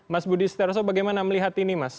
mas budi setiarso bagaimana melihat ini mas